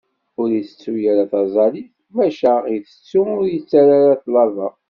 Ur itettu ara taẓallit, maca itettu ur yettarra ṭṭlaba.